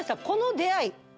この出会い